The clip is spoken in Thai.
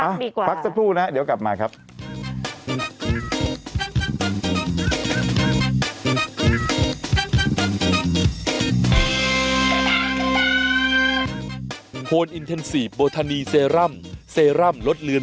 ไปพักดีกว่าพักสักพู่นะเดี๋ยวกลับมาครับครับ